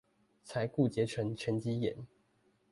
才固結成沈積岩